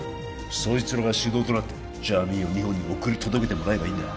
そいつらが主導となってジャミーンを日本に送り届けてもらえばいいんだ